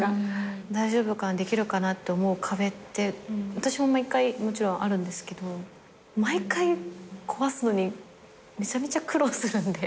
大丈夫かなできるかなって思う壁って私も毎回もちろんあるんですけど毎回壊すのにめちゃめちゃ苦労するんで。